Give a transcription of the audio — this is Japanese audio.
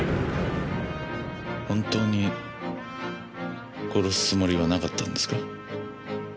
本当に殺すつもりはなかったんですか？